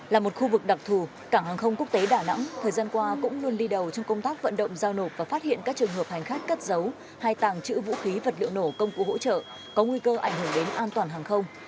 là một khu vực đặc thù cảng hàng không quốc tế đà nẵng thời gian qua cũng luôn đi đầu trong công tác vận động giao nộp và phát hiện các trường hợp hành khách cất giấu hay tàng trữ vũ khí vật liệu nổ công cụ hỗ trợ có nguy cơ ảnh hưởng đến an toàn hàng không